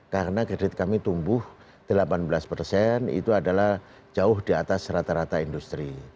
karena kredit kami tumbuh delapan belas persen itu adalah jauh di atas rata rata industri